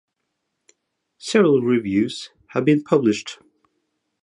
Several reviews have been published.